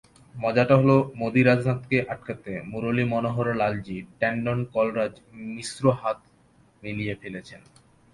মজাটা হলো, মোদি-রাজনাথকে আটকাতে মুরলী মনোহর-লালজি ট্যান্ডন-কলরাজ মিশ্র হাত মিলিয়ে ফেলেছেন।